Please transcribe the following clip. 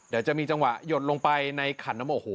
เดี๋ยวจะมีจังหวะหยดลงไปในขันน้ำโอ้โห